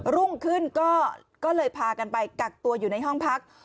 รุ่งขึ้นก็เลยพากันไปกักตัวอยู่ในห้องพัก